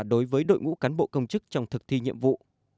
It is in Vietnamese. đối với đội ngũ cán bộ công chức trong thực thi nhiệm vụ